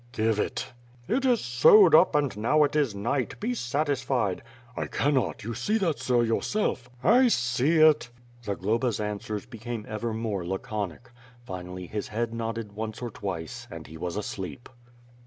"Give it." "It is sewed up and now it is night; be satisfied." "I cannot; you see that sir, yourself.'" "I see it." Zagloba's answers became ever more laconic. Finally his head nodded once or twice, and he was asleep.